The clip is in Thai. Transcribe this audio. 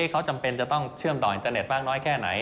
เขาจำเป็นจะต้องเชื่อมต่ออินเตอร์เน็ตมากน้อยแค่ไหน